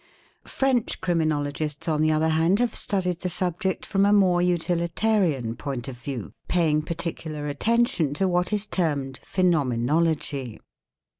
French criminologists on the other hand have studied the subject from amore utilitarian point of view, paying "particular attention to what is termed Phenomenology.